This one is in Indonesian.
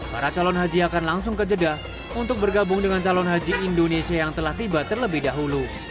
para calon haji akan langsung ke jeddah untuk bergabung dengan calon haji indonesia yang telah tiba terlebih dahulu